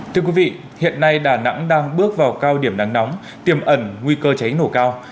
thưa quý vị hiện nay đà nẵng đang bước vào cao điểm nắng nóng tiềm ẩn nguy cơ cháy nổ cao